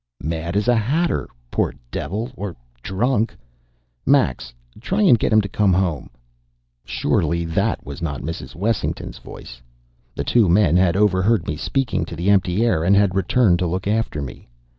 "Mad as a hatter, poor devil or drunk. Max, try and get him to come home." Surely that was not Mrs. Wessington's voice! The two men had overheard me speaking to the empty air, and had returned to look after me.